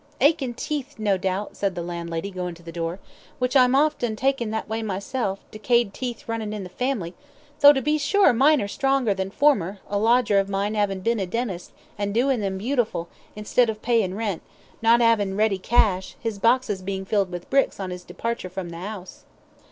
"Achin' teeth, no doubt," said the landlady, going to the door, "which I'm often taken that way myself, decayed teeth runnin' in the family, tho', to be sure, mine are stronger than former, a lodger of mine 'avin' bin a dentist, an' doin' them beautiful, instead of payin' rent, not avin' ready cash, his boxes bein' filled with bricks on 'is departure from the 'ouse."